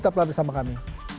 tetap lagi bersama kami